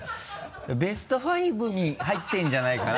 ベスト５に入ってるんじゃないかな？